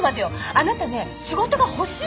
あなたね仕事が欲しいって。